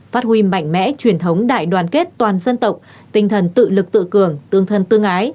phát huy mạnh mẽ truyền thống đại đoàn kết toàn dân tộc tinh thần tự lực tự cường tương thân tương ái